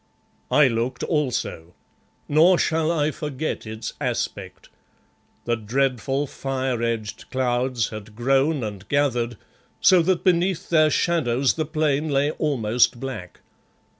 I looked also, nor shall I forget its aspect. The dreadful, fire edged clouds had grown and gathered so that beneath their shadows the plain lay almost black.